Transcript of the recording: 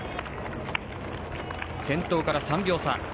先頭から３秒差。